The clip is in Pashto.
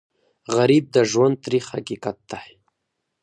غریب د ژوند تریخ حقیقت دی